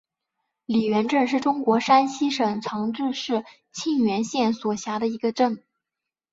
李元镇是中国山西省长治市沁源县所辖的一个镇。